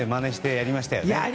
やりましたね。